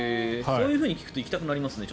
そういうふうに聞くと行きたくなりますね。